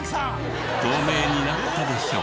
透明になったでしょ。